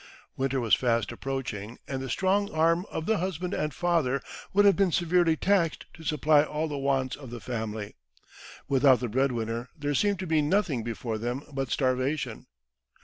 Winter was fast approaching, and the strong arm of the husband and father would have been severely taxed to supply all the wants of the family. Without the breadwinner there seemed to be nothing before them but starvation.